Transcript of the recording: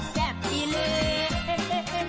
แซ่บดีเลย